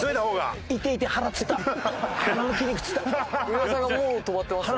上田さんがもう止まってますね。